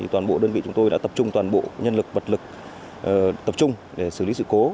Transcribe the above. toàn bộ đơn vị chúng tôi đã tập trung toàn bộ nhân lực vật lực tập trung để xử lý sự cố